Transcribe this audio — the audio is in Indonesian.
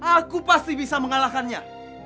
aku pasti bisa mengalahkannya